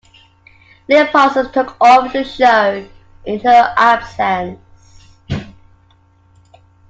Lynn Parsons took over the show in her absence.